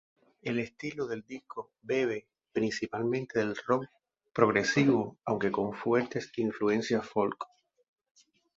El estilo del disco bebe, principalmente, del rock progresivo, aunque con fuertes influencias folk.